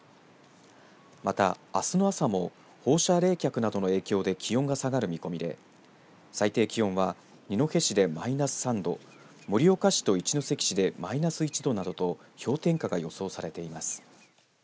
また、あすの朝も放射冷却などの影響で気温が下がる見込みで最低気温は二戸市でマイナス３度盛岡市と一関市でマイナス１度などと氷点下が予想されています。